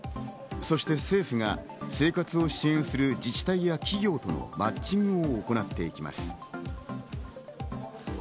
そして政府が生活を支援する自治体や企業とのマッチングを行っていきます。